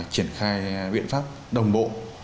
triển khai biện pháp đồng bộ